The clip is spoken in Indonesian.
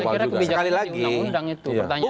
saya kira kebijaksanaan undang undang itu